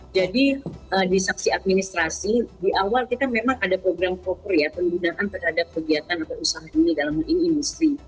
jadi di saksi administrasi di awal kita memang ada program proper ya penggunaan terhadap kegiatan atau usaha ini dalam industri